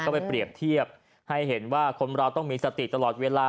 ก็ไปเปรียบเทียบให้เห็นว่าคนเราต้องมีสติตลอดเวลา